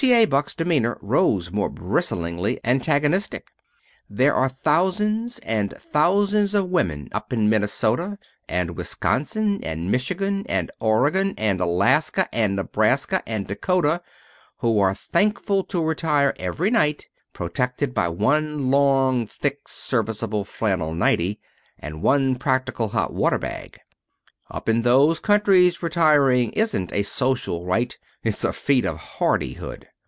A. Buck's demeanor grew more bristlingly antagonistic, "there are thousands and thousands of women up in Minnesota, and Wisconsin, and Michigan, and Oregon, and Alaska, and Nebraska, and Dakota who are thankful to retire every night protected by one long, thick, serviceable flannel nightie, and one practical hot water bag. Up in those countries retiring isn't a social rite: it's a feat of hardihood.